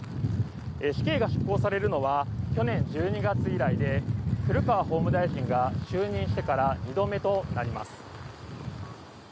死刑が執行されるのは去年１２月以来で古川法務大臣が就任してから２度目となります。